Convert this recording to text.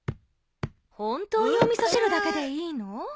本当にお味噌汁だけでいいの？